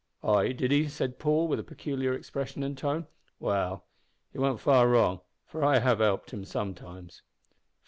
"Ay, did he?" said Paul, with a peculiar expression and tone. "Well, he warn't far wrong, for I have helped him sometimes."